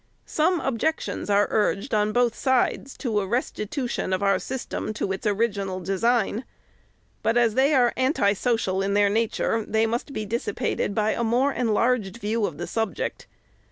Some objections are urged, on both sides, to a restitu tion of our system to its original design ; but, as they are anti social in their nature they must be dissipated by a more enlarged view of the subject.